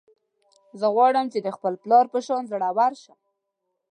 زه غواړم چې د خپل پلار په شان زړور شم